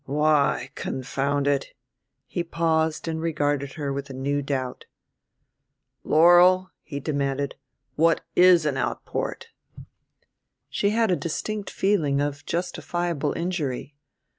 "Why, confound it " he paused and regarded her with a new doubt. "Laurel," he demanded, "what is an outport?" She had a distinct feeling of justifiable injury.